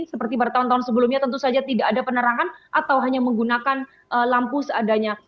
seperti bertahun tahun sebelumnya tentu saja tidak ada penerangan atau hanya menggunakan lampu seadanya